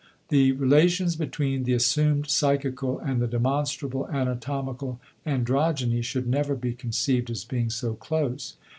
The relations between the assumed psychical and the demonstrable anatomical androgyny should never be conceived as being so close.